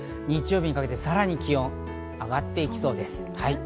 日曜日にかけてさらに気温が上がっていきそうです。